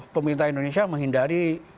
pemerintah indonesia menghindari